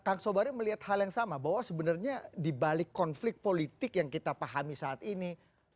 kang sobari melihat hal yang sama bahwa sebenarnya dibalik konflik politik yang kita pahami saat ini